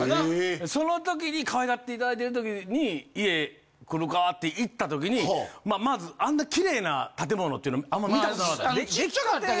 その時に可愛がっていただいてる時に「家来るか？」って行った時にまずあんなキレイな建物っていうのあんま見たことなかった。